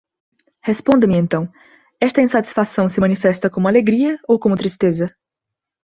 Responda-me, então: esta insatisfação se manifesta como alegria, ou como tristeza?